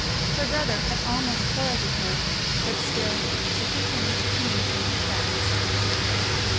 Her brother had almost quarrelled with her, but still she continued to communicate her facts.